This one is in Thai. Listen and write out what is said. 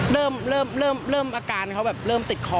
เริ่มเริ่มเริ่มเริ่มอาการเขาแบบเริ่มติดคอ